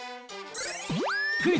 クイズ！